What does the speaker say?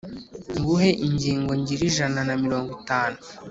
Nguhe ingingo ngire ijana na mirongo itanu